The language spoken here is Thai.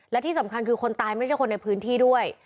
และที่สำคัญคือคนตายไม่ใช่คนในพื้นที่ด้วย